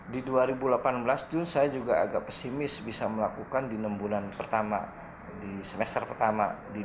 di dua ribu delapan belas jun saya juga agak pesimis bisa melakukan di enam bulan pertama di semester pertama di dua ribu delapan belas